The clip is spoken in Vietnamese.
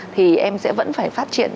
thì em sẽ vẫn phải phát triển